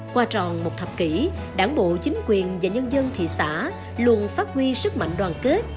qua tròn một thập kỷ đảng bộ chính quyền và nhân dân thị xã luôn phát huy sức mạnh đoàn kết